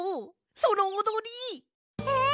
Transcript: そのおどり！え？